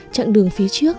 trạng đường phía trước